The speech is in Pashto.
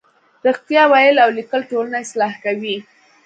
رښتیا ویل او لیکل ټولنه اصلاح کوي.